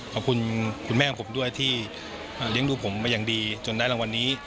ขอบคุณคุณแม่ของผมด้วยที่เลี้ยงดูผมมาอย่างดีจนได้รางวัลนี้